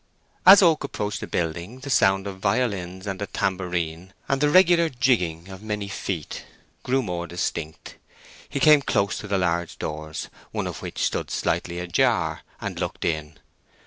As Oak approached the building the sound of violins and a tambourine, and the regular jigging of many feet, grew more distinct. He came close to the large doors, one of which stood slightly ajar, and looked in.